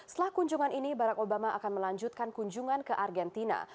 setelah kunjungan ini barack obama akan melanjutkan kunjungan ke argentina